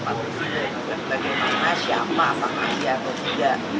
bagaimana siapa sama dia atau tidak